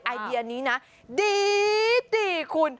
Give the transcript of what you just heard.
ไอเดียนี้นะดีคุณ